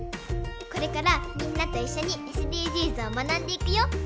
これからみんなといっしょにＳＤＧｓをまなんでいくよ。